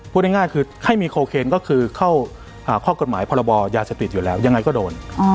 พูดง่ายคือให้มีโคเคนก็คือเข้าข้อกฎหมายพรบยาเสพติดอยู่แล้วยังไงก็โดน